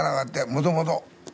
もともと。